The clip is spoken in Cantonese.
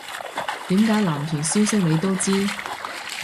點解男團消息你都知